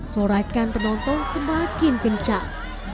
sorakan penonton semakin kencang